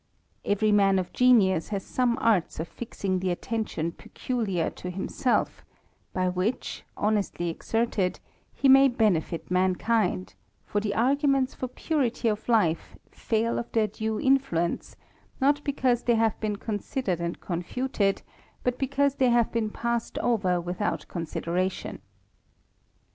F i£very man of genius has some arts of fixing the attention J peculiar to himself, by which, honestly exerted, he id^>I benefit mankind ; for the arguments for purity of life fail ^ I their due influence, not because they have been considered \ and confuted, but because they have been passed over J without consideration.